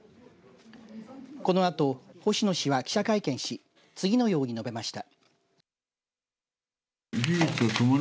このあと、星野氏は記者会見し次のように述べました。